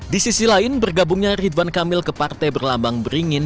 di sisi lain bergabungnya ridwan kamil ke partai berlambang beringin